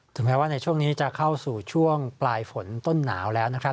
แม้ว่าในช่วงนี้จะเข้าสู่ช่วงปลายฝนต้นหนาวแล้วนะครับ